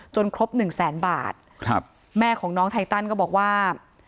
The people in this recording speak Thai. ครบหนึ่งแสนบาทครับแม่ของน้องไทตันก็บอกว่า